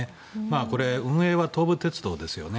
これ、運営は東武鉄道ですよね。